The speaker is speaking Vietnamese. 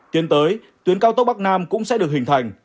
tiến tới tuyến cao tốc bắc nam cũng sẽ được hình thành